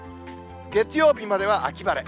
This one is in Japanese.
月曜日までは秋晴れ。